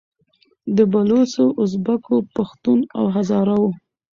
د بــــلوچـــو، د اُزبـــــــــــــــــکو، د پــــښــــتــــون او هـــــزاره وو